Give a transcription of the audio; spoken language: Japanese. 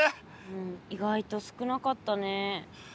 うん意外と少なかったね。